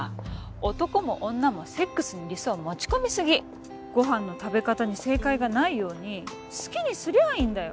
男も女もセックスに理想持ち込みすぎご飯の食べ方に正解がないように好きにすりゃいいんだよ